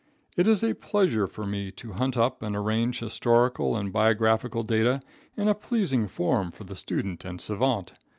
It is a pleasure for me to hunt up and arrange historical and biographical data in a pleasing form for the student and savant.